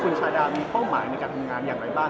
คุณชาดามีเป้าหมายในการทำงานอย่างไรบ้าง